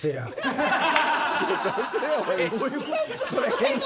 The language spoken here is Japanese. それ変態。